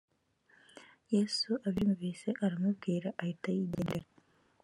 yesu abyumvise aramubwira ahitayigendera.